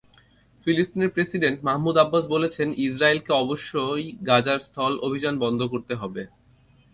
ফিলিস্তিনের president Mahmoud Abbas বলেছেন, ইসরায়েলকে অবশ্যই গাজায় স্থল অভিযান বন্ধ করতে হবে।